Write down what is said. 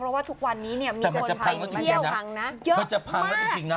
เพราะว่าทุกวันนี้มีคนไปเที่ยวเยอะมาก